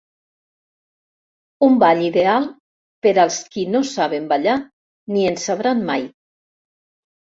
Un ball ideal per als qui no saben ballar ni en sabran mai.